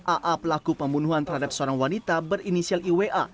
aa pelaku pembunuhan terhadap seorang wanita berinisial iwa